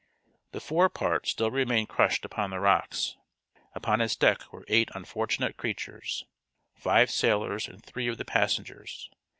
The forepart still remained crushed upon the rocks. Upon its deck were eight unfortunate creatures five sailors and three of the passengers.